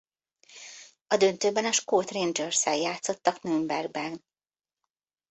A döntőben a skót Rangers-szel játszottak Nürnbergben.